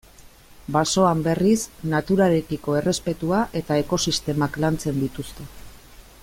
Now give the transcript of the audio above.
Basoan, berriz, naturarekiko errespetua eta ekosistemak lantzen dituzte.